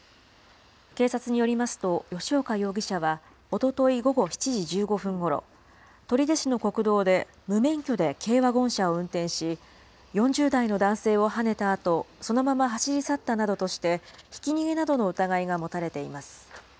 警察によりますと、吉岡容疑者はおととい午後７時１５分ごろ、取手市の国道で無免許で軽ワゴン車を運転し、４０代の男性をはねたあと、そのまま走り去ったなどとして、ひき逃げなどの疑いが持たれています。